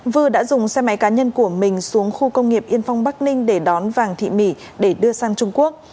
vư đã dùng xe máy cá nhân của mình xuống khu công nghiệp yên phong bắc ninh để đón vàng thị mỹ để đưa sang trung quốc